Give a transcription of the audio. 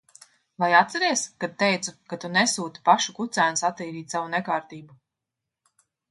Vai atceries, kad teicu, ka tu nesūti pašu kucēnu satīrīt savu nekārtību?